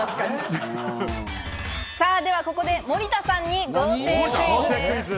では、ここで森田さんに豪邸クイズです。